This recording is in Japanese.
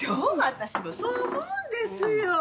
私もそう思うんですよ。